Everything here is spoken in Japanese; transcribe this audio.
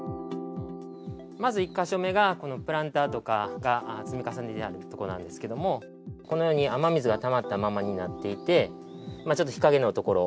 まず１か所目が、このプランターとかが積み重ねられてるとこなんですけれども、このように雨水がたまったままになっていて、ちょっと日陰の所。